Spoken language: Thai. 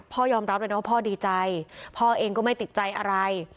พ่อยอมรับเลยนะว่าพ่อดีใจพ่อเองก็ไม่ติดใจอะไร